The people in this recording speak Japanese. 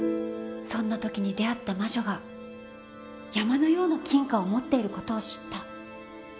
そんな時に出会った魔女が山のような金貨を持っている事を知った。